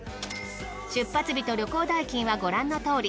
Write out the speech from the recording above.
出発日と旅行代金はご覧のとおり。